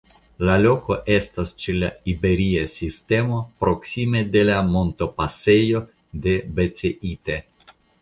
La loko estas ĉe la Iberia Sistemo proksime de la montopasejo de Beceite.